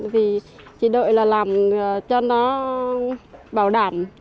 thì chỉ đợi là làm cho nó bảo đảm